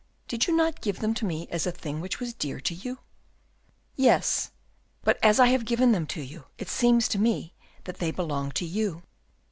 "Did you not give them to me as a thing which was dear to you?" "Yes, but as I have given them to you, it seems to me that they belong to you."